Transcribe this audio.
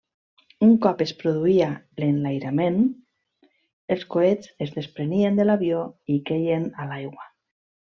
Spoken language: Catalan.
Un cop es produïa l'enlairament, els coets es desprenien de l'avió i queien a l'aigua.